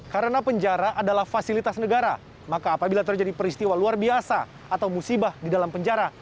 karena penjara adalah fasilitas negara maka apabila terjadi peristiwa luar biasa atau musibah di dalam penjara